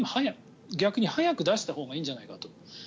逆に早く出したほうがいいんじゃないかと。